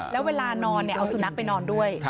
แล้วเวลานอนเอาสุนัขไปนอนด้วย